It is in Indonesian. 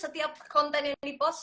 setiap konten yang dipost